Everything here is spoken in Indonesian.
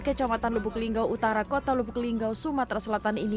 kecamatan lubuk linggau utara kota lubuk linggau sumatera selatan ini